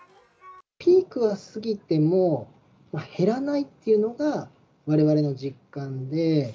ピークは過ぎても減らないっていうのが、われわれの実感で。